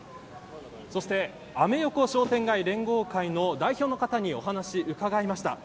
そしてアメ横商店街連合会の代表の方にお話を伺いました。